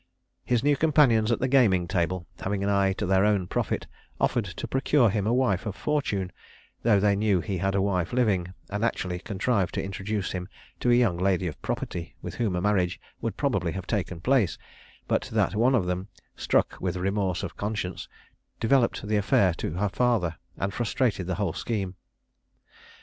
His new companions at the gaming table, having an eye to their own profit, offered to procure him a wife of fortune, though they knew he had a wife living, and actually contrived to introduce him to a young lady of property, with whom a marriage would probably have taken place, but that one of them, struck with remorse of conscience, developed the affair to her father, and frustrated the whole scheme.